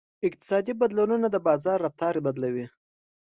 اقتصادي بدلونونه د بازار رفتار بدلوي.